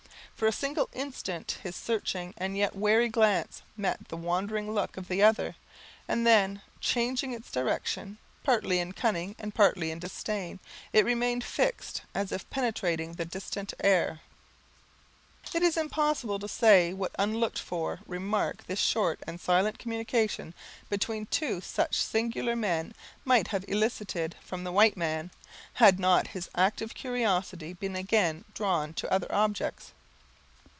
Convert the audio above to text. For a single instant his searching and yet wary glance met the wondering look of the other, and then changing its direction, partly in cunning, and partly in disdain, it remained fixed, as if penetrating the distant air. It is impossible to say what unlooked for remark this short and silent communication, between two such singular men, might have elicited from the white man, had not his active curiosity been again drawn to other objects.